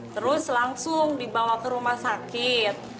terus langsung dibawa ke rumah sakit